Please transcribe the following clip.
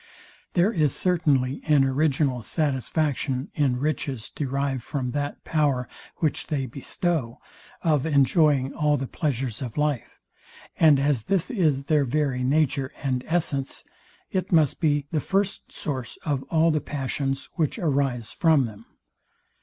There is certainly an original satisfaction in riches derived from that power, which they bestow, of enjoying all the pleasures of life; and as this is their very nature and essence, it must be the first source of all the passions, which arise from them.